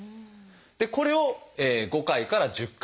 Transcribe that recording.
これを５回から１０回。